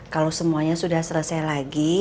kalau semuanya sudah selesai lagi